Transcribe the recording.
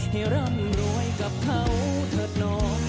ร่ำรวยกับเขาเถิดน้อง